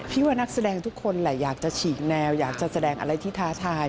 ว่านักแสดงทุกคนแหละอยากจะฉีกแนวอยากจะแสดงอะไรที่ท้าทาย